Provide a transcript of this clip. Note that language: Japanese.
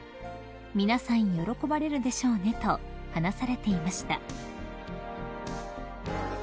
「皆さん喜ばれるでしょうね」と話されていました］